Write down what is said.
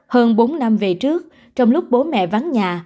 hơn bốn năm về trước trong lúc bố mẹ vắng nhà